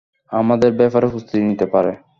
আমাদের ব্যাপারে প্রস্তুতি নিতে পারে।